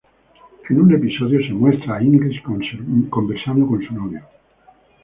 En un episodio se muestra a English conversando con su novio.